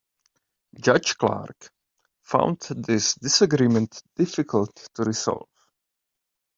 Judge Clark found this disagreement difficult to resolve.